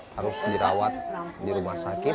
harus dirawat di rumah sakit